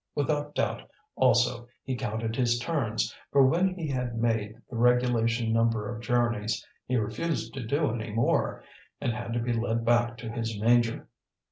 Without doubt, also, he counted his turns, for when he had made the regulation number of journeys he refused to do any more, and had to be led back to his manger.